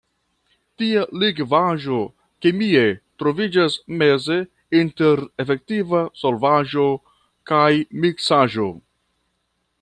Tia likvaĵo kemie troviĝas meze inter efektiva solvaĵo kaj miksaĵo.